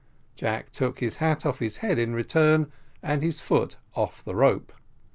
Jack took his hat off his head in return, and his foot off the rope.